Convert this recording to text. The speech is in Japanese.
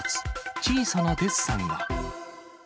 小さなデッサンが。